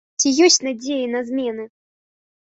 Ці ёсць надзеі на змены?